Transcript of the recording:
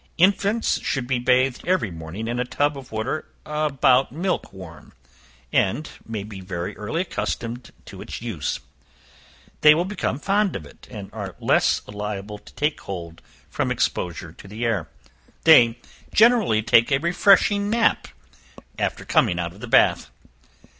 Infants should be bathed every morning in a tub of water about milk warm, and may be very early accustomed to its use; they will become fond of it, and are less liable to take cold from exposure to the air. They generally take a refreshing nap after coming out of the bath.